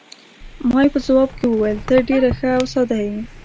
ما یې په ځواب کې وویل: ته ډېره ښه او ساده یې.